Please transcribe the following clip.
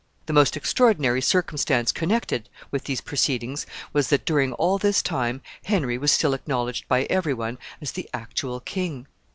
The most extraordinary circumstance connected with these proceedings was, that during all this time Henry was still acknowledged by every one as the actual king.